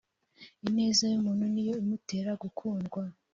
ineza y umuntu ni yo imutera gukundwa